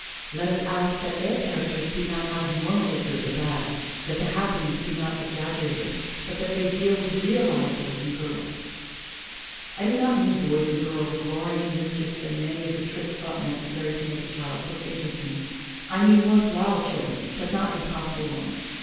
Let us ask that their characters be not abnormally good or bad, that the happen ings be not exaggerated, but that they deal with real live boys and girls. I do not mean boys and girls glorying in mischief and many of the tricks thought necessary to make a child's book 208 THE LATCH KEY interesting; I mean worth while children, but not impossible ones.